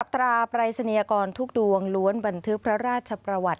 ตราปรายศนียกรทุกดวงล้วนบันทึกพระราชประวัติ